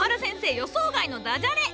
予想外のダジャレ！